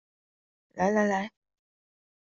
來來來